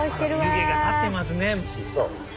湯気が立ってますね。